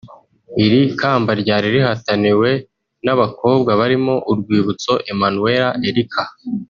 Iri kamba ryari rihataniwe n’abakobwa barimo Urwibutso Emmanuella Erica